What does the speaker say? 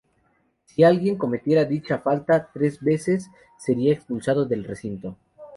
Si alguien cometiera dicha falta tres veces, sería expulsado del recinto.